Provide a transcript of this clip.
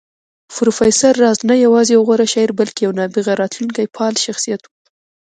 پروفېسر راز نه يوازې يو غوره شاعر بلکې يو نابغه راتلونکی پال شخصيت و